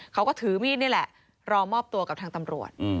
เขาก็ถือมีดนี่แหละรอมอบตัวกับทางตำรวจ